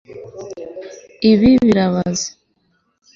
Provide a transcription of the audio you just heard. ibi birabaze